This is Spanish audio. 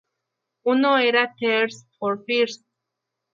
Uno era Tears for Fears.